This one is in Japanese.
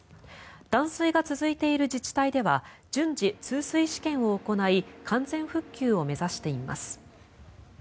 断水が続いている自治体では順次、通水試験を行い完全復旧を目指しています。